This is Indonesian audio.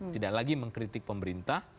tidak lagi mengkritik pemerintah